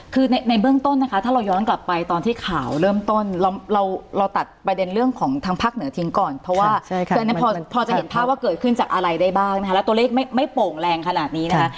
คือในเบื้องต้นนะคะถ้าเราย้อนกลับไปตอนที่ข่าวเริ่มต้นเราเราตัดประเด็นเรื่องของทางภาคเหนือทิ้งก่อนเพราะว่าคืออันนี้พอจะเห็นภาพว่าเกิดขึ้นจากอะไรได้บ้างนะคะแล้วตัวเลขไม่โป่งแรงขนาดนี้นะคะ